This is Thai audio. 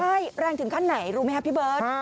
ใช่แรงถึงขั้นไหนรู้ไหมครับพี่เบิร์ต